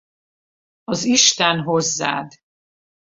Az Isten hozzád!